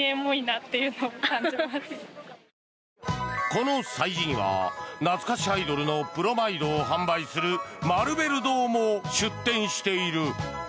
この催事には懐かしアイドルのブロマイドを販売するマルベル堂も出店している。